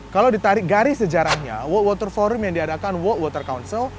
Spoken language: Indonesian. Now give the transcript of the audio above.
kalau ditarik garis sejarahnya walk water forum yang diadakan walk water council